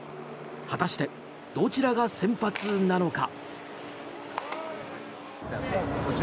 果たして、どちらが先発なのか。